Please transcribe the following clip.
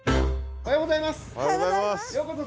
おはようございます。